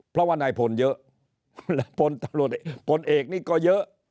เพราะว่านายพลเยอะพลเอกนี่ก็เยอะ